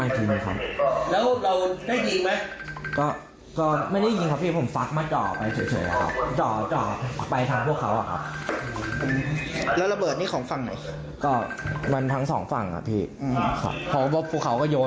ผมไม่คิดผมก็ไม่รู้